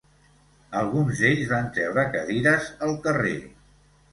Alguns d'ells van treure cadires al carrer